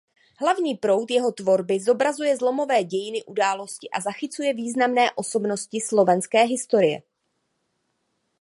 Hlavní proud jeho tvorby zobrazuje zlomové dějinné události a zachycuje významné osobnosti slovenské historie.